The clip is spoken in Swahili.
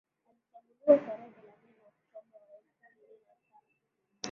Alichaguliwa tarehe thelathini Oktoba ya elfu mbili na tano